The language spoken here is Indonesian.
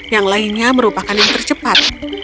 yang lainnya merupakan yang tercepat